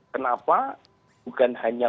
kenapa bukan hanya